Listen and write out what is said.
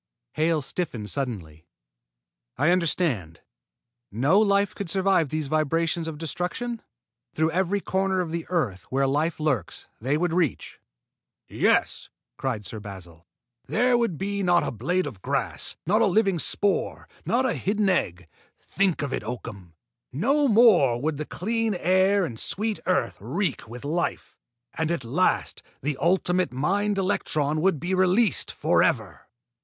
Hale stiffened suddenly. "I understand. No life could survive these vibrations of destruction? Through every corner of the earth where life lurks, they would reach?" "Yes!" cried Sir Basil. "There would be not a blade of grass, not a living spore, not a hidden egg! Think of it, Oakham! No more would the clean air and the sweet earth reek with life, and at last the ultimate mind electron would be released forever."